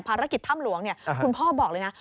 ภารกิจถ้ำหลวงคุณพ่อบอกเลยนะ